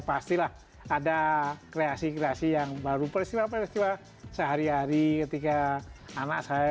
pastilah ada kreasi kreasi yang baru peristiwa peristiwa sehari hari ketika anak saya